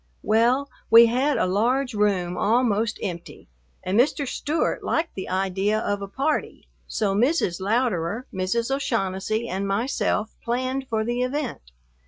Well, we had a large room almost empty and Mr. Stewart liked the idea of a party, so Mrs. Louderer, Mrs. O'Shaughnessy, and myself planned for the event.